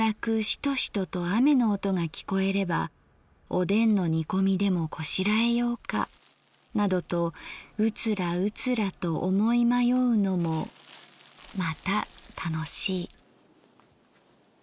シトシトと雨の音がきこえればおでんの煮込みでもこしらえようかなどとうつらうつらと思い迷うのもまた楽しい」。